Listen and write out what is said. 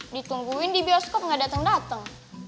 ditungguin di bioskop gak dateng dateng